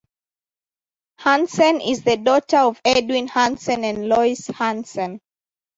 Hansen is the daughter of Edwin Hansen and Lois Hansen.